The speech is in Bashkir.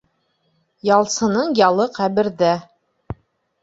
Ялсының ялы ҡәберҙә.